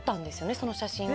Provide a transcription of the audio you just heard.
その写真を。